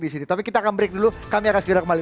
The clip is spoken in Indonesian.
di sini tapi kita akan break dulu kami akan segera kembali